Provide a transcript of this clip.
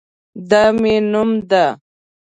دا مې نوم ده